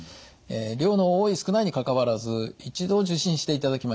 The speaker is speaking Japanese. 量の多い少ないにかかわらず一度受診していただきまして